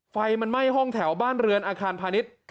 ไฟมันไหม้ห้องแถวบ้านเรือนอาคารพาณิชย์